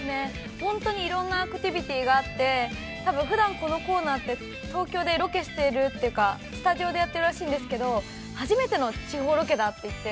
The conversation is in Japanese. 本当にいろんなアクティビティがあって、多分ふだんこのコーナーって、東京でロケしてるというか、スタジオでやっているらしいんですけど、初めての地方ロケだって行って。